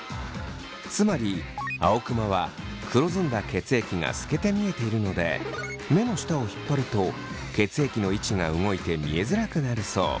つまり青クマは黒ずんだ血液が透けて見えているので目の下を引っぱると血液の位置が動いて見えづらくなるそう。